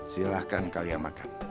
silahkan kalian makan